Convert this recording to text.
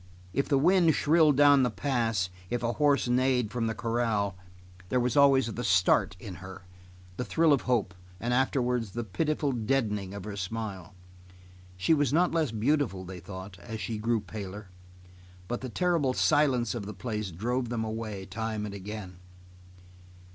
If the wind shrilled down the pass, if a horse neighed from the corral, there was always the start in her, the thrill of hope, and afterwards the pitiful deadening of her smile. She was not less beautiful they thought, as she grew paler, but the terrible silence of the place drove them away time and again.